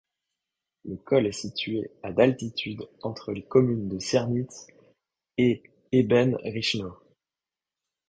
Le col est situé à d'altitude, entre les communes de Sirnitz et Ebene Reichenau.